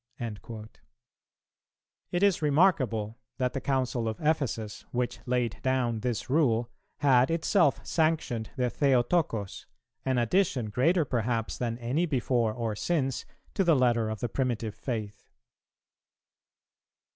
"[302:2] It is remarkable that the Council of Ephesus, which laid down this rule, had itself sanctioned the Theotocos, an addition, greater perhaps than any before or since, to the letter of the primitive faith.